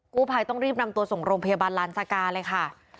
กู้ภัยต้องรีบนำตัวส่งโรงพยาบาลลานสกาเลยค่ะ